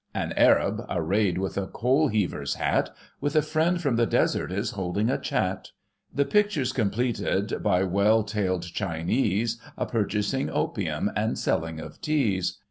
An Arab, arrayed with a coal heaver's hat. With a friend from the desert is holding a chat ; The picture's completed by well tailed Chinese A purchasing opium, and selling of teas.